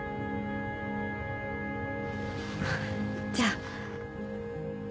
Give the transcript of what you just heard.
じゃあ。